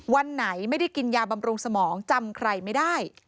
วันไหนไม่ได้กินยาบำรุงสมองจำใครไม่ได้